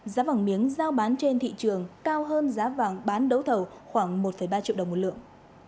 giá vàng miếng giao bán trên thị trường cao hơn giá vàng bán đấu thầu khoảng một ba triệu đồng một lượng